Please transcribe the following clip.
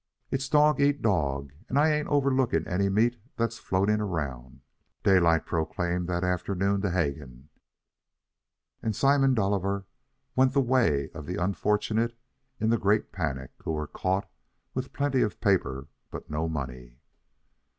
"It's dog eat dog, and I ain't overlooking any meat that's floating around," Daylight proclaimed that afternoon to Hegan; and Simon Dolliver went the way of the unfortunate in the Great Panic who were caught with plenty of paper and no money.